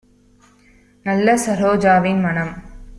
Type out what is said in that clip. நல்ல ஸரோஜாவின் - மணம்